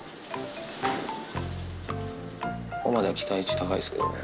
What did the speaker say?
ここまでは期待値高いですけどね。